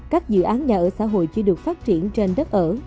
các dự án nhà ở xã hội chưa được phát triển trên đất ở